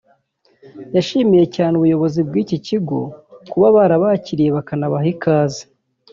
yashimiye cyane ubuyobozi bw’iki kigo kuba barabakiriye bakanabaha ikaze